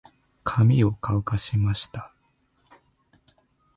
髪を乾かしました。